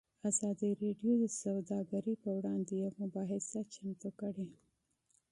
ازادي راډیو د سوداګري پر وړاندې یوه مباحثه چمتو کړې.